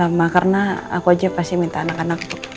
ya ma karena aku aja pasti minta anak anak